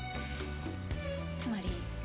つまり。